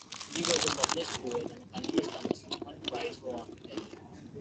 He was a published poet and a panellist on the Sulman Prize for Architecture.